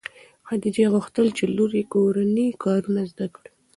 خدیجې غوښتل چې لور یې کورني کارونه زده کړي.